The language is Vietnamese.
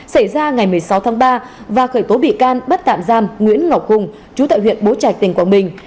xảy ra ngày một mươi sáu tháng ba và khởi tố bị can bắt tạm giam nguyễn ngọc hùng chú tại huyện bố trạch tỉnh quảng bình